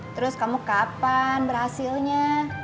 terus kamu kapan berhasilnya